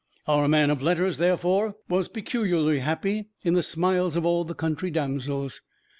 Our man of letters, therefore, was peculiarly happy in the smiles of all the country damsels.